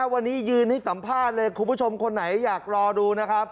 วันนี้ยืนให้สัมภาษณ์เลยคุณผู้ชมคนไหนอยากรอดูนะครับ